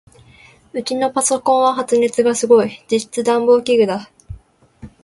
ウチのパソコンは発熱がすごい。実質暖房器具だ。